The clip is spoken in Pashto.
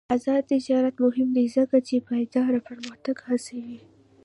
آزاد تجارت مهم دی ځکه چې پایداره پرمختګ هڅوي.